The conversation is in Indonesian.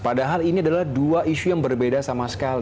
padahal ini adalah dua isu yang berbeda sama sekali